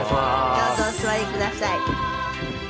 どうぞお座りください。